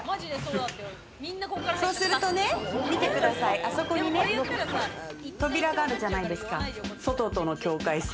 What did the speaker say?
そうするとね、見てください、あそこにね、扉があるじゃないですか、外との境界線。